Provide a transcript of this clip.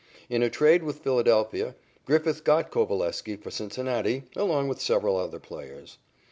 In a trade with Philadelphia, Griffith got Coveleski for Cincinnati along with several other players.